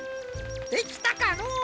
できたかのう。